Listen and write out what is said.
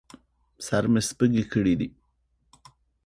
سر مې سپږې کړي دي